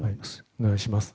お願いします。